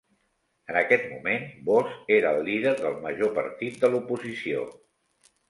En aquest moment Bos era el líder del major partit de l'oposició.